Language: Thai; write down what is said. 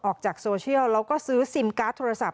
ออกจากโซเชียลแล้วก็ซื้อซิมการ์ดโทรศัพ